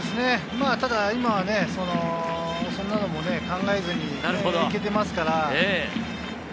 ただ今はそんなのも考えずに行けていますから。